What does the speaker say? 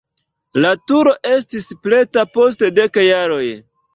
La turo estis preta post dek jaroj.